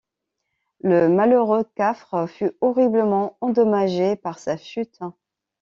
Le malheureux Cafre fut horriblement endommagé par sa chute.